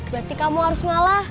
berarti kamu harus ngalah